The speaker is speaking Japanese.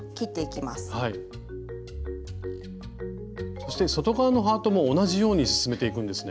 そして外側のハートも同じように進めていくんですね。